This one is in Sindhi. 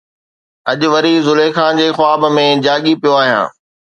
اڄ وري زليخا جي خواب ۾ جاڳي پيو آهيان